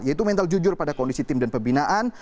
yaitu mental jujur pada kondisi tim dan pembinaan